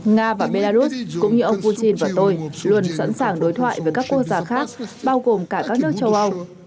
nga và belarus cũng như ông putin và tôi luôn sẵn sàng đối thoại với các quốc gia khác bao gồm cả các nước châu âu